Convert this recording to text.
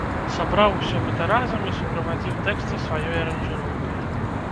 Сабраў усё гэта разам і суправадзіў тэксты сваёй аранжыроўкай.